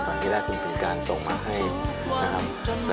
ตอนนี้ได้คุณผิดการส่งมาให้นะครับ